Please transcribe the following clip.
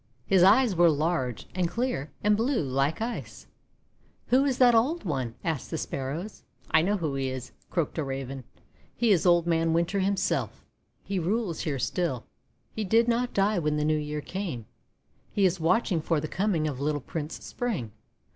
His eyes were large, and clear, and blue, like ice. "WTho is that old one?" asked the Sparrows. ;<I know who he is," croaked a Raven. "He is Old Man Winter himself. He rules here still. He did not die when the New Year came. He is watching for the coming of little Prince Spring.